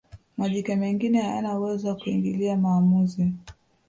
majike mengine hayana uwezo wa kuingilia maamuzi